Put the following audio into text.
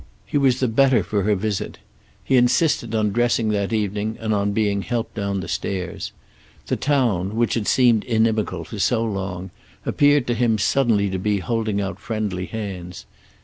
He was the better for her visit. He insisted on dressing that evening, and on being helped down the stairs. The town, which had seemed inimical for so long, appeared to him suddenly to be holding out friendly hands.